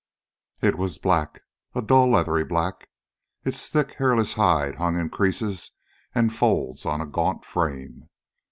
It was black, a dull leathery black. Its thick, hairless hide hung in creases and folds on a gaunt frame.